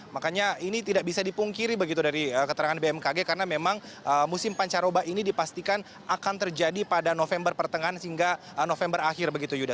makanya ini tidak bisa dipungkiri begitu dari keterangan bmkg karena memang musim pancaroba ini dipastikan akan terjadi pada november pertengahan hingga november akhir begitu yuda